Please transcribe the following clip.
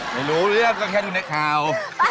ไม่รู้เรื่องก็แค่ดูในข่าว